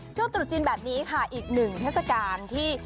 ตรุษจีนแบบนี้ค่ะอีกหนึ่งเทศกาลที่